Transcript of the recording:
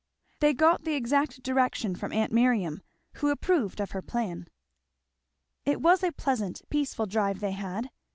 They got the exact direction from aunt Miriam who approved of her plan. It was a pleasant peaceful drive they had.